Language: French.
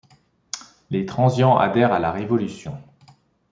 Les Transians adhèrent à la Révolution.